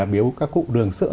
biếu các cụ đường sữa